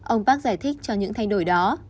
ông park giải thích cho những thay đổi đó